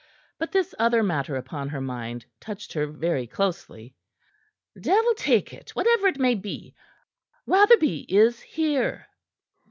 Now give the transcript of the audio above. But this other matter upon her mind touched her very closely. "Devil take it, whatever it may be! Rotherby is here."